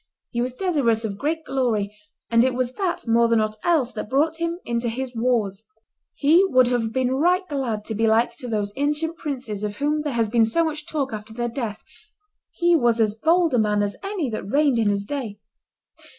He was desirous of great glory, and it was that more than ought else that brought him into his wars; he would have been right glad to be like to those ancient princes of whom there has been so much talk after their death; he was as bold a man as any that reigned in his day.